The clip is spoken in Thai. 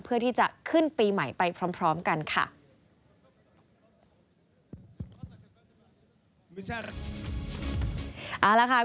เพื่อที่จะขึ้นปีใหม่ไปพร้อมกันค่ะ